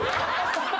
ハハハハ！